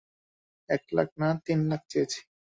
এক লাখ না, তিন লাখ চেয়েছি।